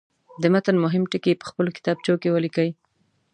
د متن مهم ټکي په خپلو کتابچو کې ولیکئ.